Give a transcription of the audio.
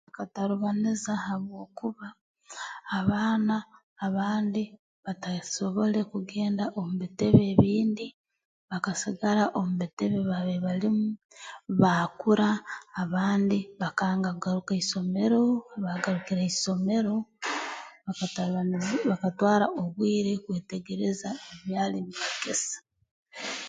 Katalibaniza habwokuba abaana abandi batasobole kugenda omu bitebe ebindi bakasigara omu bitebe ebi babaire balimu baakura abandi bakanga kugaruka ha isomero obu baagarukire ha isomero bakatalibani bakatwara obwire kwetegereza ebi baali mbeegesa